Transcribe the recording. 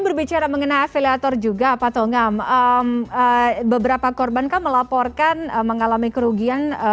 berbicara mengenai afiliator juga apa tonggam beberapa korban ke melaporkan mengalami kerugian